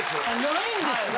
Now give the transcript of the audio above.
ないんですね。